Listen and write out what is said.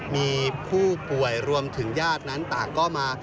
มีผู้ป่วยรวมถึงญาตินั้นต่างก็มา